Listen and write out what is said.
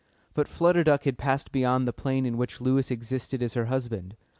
But Flutter Duck had passed beyond the plane in which Lewis existed as her husband.